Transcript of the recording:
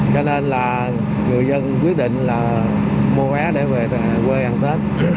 cho nên là người dân quyết định là mua vé để về quê ăn tết